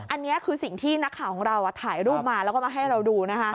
อันนี้คือสิ่งที่นักข่าวของเราถ่ายรูปมาแล้วก็มาให้เราดูนะคะ